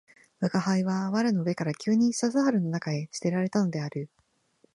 吾輩は藁の上から急に笹原の中へ棄てられたのである